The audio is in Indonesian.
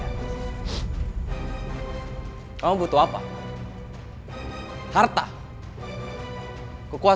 tapi tolong lupakan itu semua